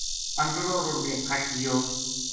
انٹڑو رُڑھ کے پھٹ گیو